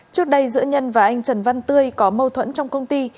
trước đây giữa nhân và anh trần văn tươi có mâu thuẫn trong công ty